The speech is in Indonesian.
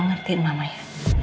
ngertiin mama ya